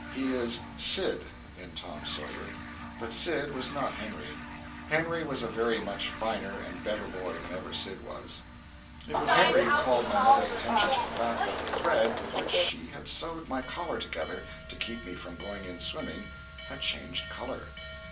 He is "Sid" in "Tom Sawyer." But Sid was not Henry. Henry was a very much finer and better boy than ever Sid was. It was Henry who called my mother's attention to the fact that the thread with which she had sewed my collar together to keep me from going in swimming, had changed color.